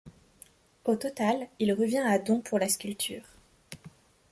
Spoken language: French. Au total, il revient à dont pour la sculpture.